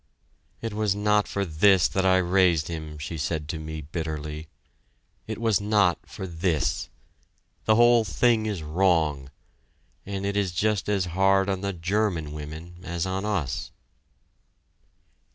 "It was not for this that I raised him," she said to me bitterly. "It was not for this! The whole thing is wrong, and it is just as hard on the German women as on us!"